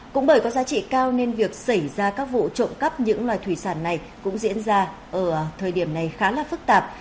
cũng bởi có giá trị cao nên việc xảy ra các vụ trộm cắp những loài thủy sản này cũng diễn ra ở thời điểm này khá là phức tạp